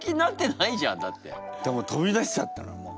でも飛び出しちゃったのもう。